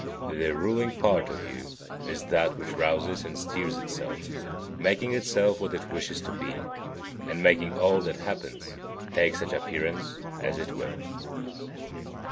8. The ruling part of you is that which rouses and steers itself, making itself what it wishes to be, and making all that happens take such appearance as it will.